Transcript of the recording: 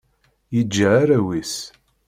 Yeǧǧa arraw-is.